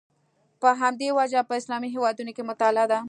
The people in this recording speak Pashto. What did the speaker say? په همدې وجه په اسلامي هېوادونو کې مطالعه ده.